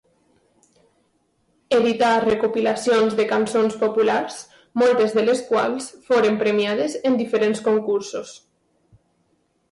Edità recopilacions de cançons populars, moltes de les quals foren premiades en diferents concursos.